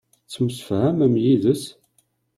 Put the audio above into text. Tettemsefhamem yid-s?